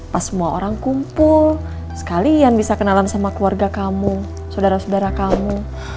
pas semua orang kumpul sekalian bisa kenalan sama keluarga kamu saudara saudara kamu